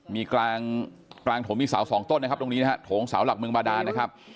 มีกลางโถงมีเสาสองต้นนะครับตรงนี้นะฮะโถงเสาหลักเมืองบาดานนะครับ